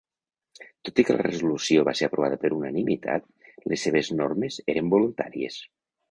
Tot i que la resolució va ser aprovada per unanimitat, les seves normes eren voluntàries.